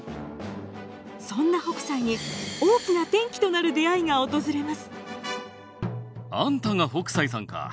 そんな北斎に大きな転機となる出会いが訪れます。